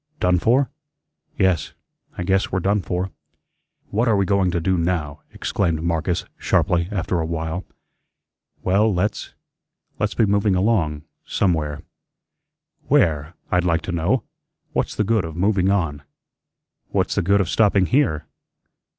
Done for? Yes, I guess we're done for." "What are we going to do NOW?" exclaimed Marcus, sharply, after a while. "Well, let's let's be moving along somewhere." "WHERE, I'd like to know? What's the good of moving on?" "What's the good of stopping here?"